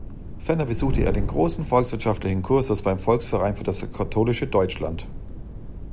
Ferner besuchte er den großen volkswirtschaftlichen Kursus beim Volksverein für das katholische Deutschland.